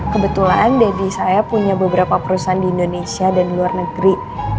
kebetulan deddy saya punya beberapa perusahaan di indonesia dan luar negeri